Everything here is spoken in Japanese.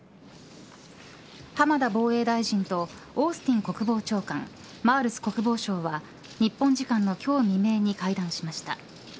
浜田防衛大臣とオースティン国防長官マールス国防相は日本時間の今日未明に会談しました。